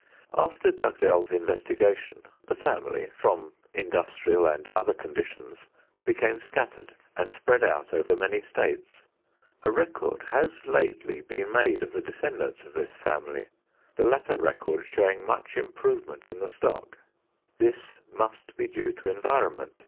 After Dugdale's investigation the family, from industrial and other conditions, became scattered and spread out over many states. A record has lately been made of the descendants of this family, the later record showing much improvement in the stock. This must be due to environment.